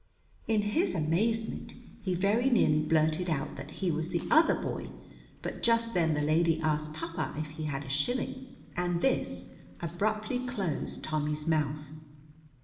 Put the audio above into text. In his amazement he very nearly blurted out that he was the other boy, but just then the lady asked Papa if he had a shilling, and this abruptly closed Tommy's mouth.